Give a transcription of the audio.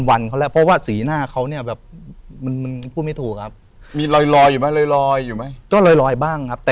รอยอยู่ไหมก็รอยบ้างครับ